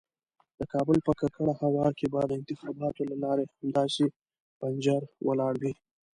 د کابل په ککړه هوا کې به د انتخاباتو لارۍ همداسې پنجر ولاړه وي.